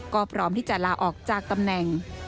ก็พร้อมที่จะลาออกจากตำแหน่ง